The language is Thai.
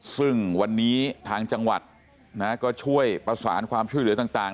ซึ่งวันนี้ทางจังหวัดก็ช่วยประสานความช่วยเหลือต่าง